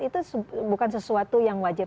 itu bukan sesuatu yang wajib